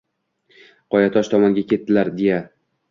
Qoyatosh tomonga ketdilar, deya